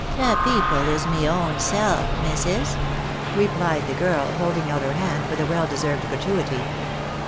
"" De people is me own self, missis," replied the girl, holding out her hand for the well deserved gratuity.